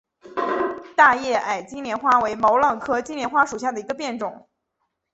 大叶矮金莲花为毛茛科金莲花属下的一个变种。